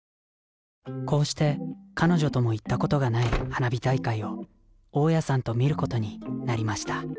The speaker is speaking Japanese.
こうして彼女とも行ったことがない花火大会を大家さんと見ることになりました